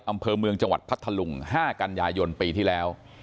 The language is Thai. อำเภอเมืองจังหวัดพัทธลุง๕กันยายนปีที่แล้ว